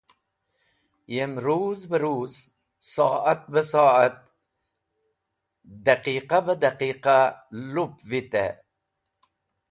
Yem ruz be ruz, so’at be so’at, daqiqa be daqiqa lup vite.